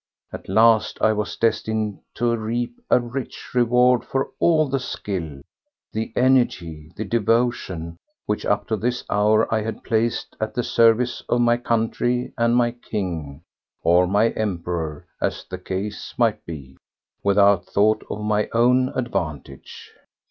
At last I was destined to reap a rich reward for all the skill, the energy, the devotion, which up to this hour I had placed at the service of my country and my King—or my Emperor, as the case might be—without thought of my own advantage.